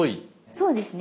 そうですね。